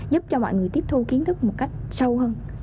giúp cho mọi người tiếp thu kiến thức một cách sâu hơn